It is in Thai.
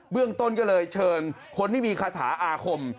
เรื่องต้นก็เลยเชิญคนที่มีคาถาอาคม